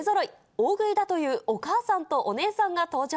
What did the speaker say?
大食いだというお母さんとお姉さんが登場。